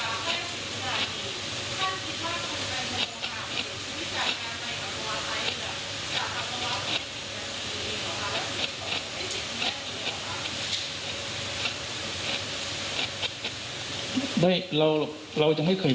ขออนุญาตแค่นี้ครับ